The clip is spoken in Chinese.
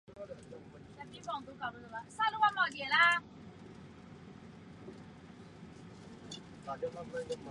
三明治板通常因为需求不同而采用不同的面层和芯材。